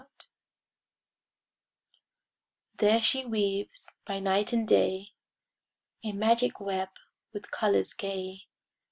PART II There she weaves by night and day A magic web with colors gay.